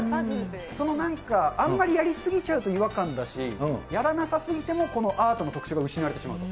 そのなんか、あんまりやり過ぎちゃうと違和感だし、やらなさすぎてもこのアートの特徴が失われてしまうと。